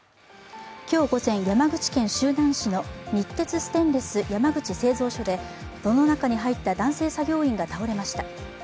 今日午前、山口県周南市の日鉄ステンレス山口製造所で炉の中に入った男性作業員が倒れました。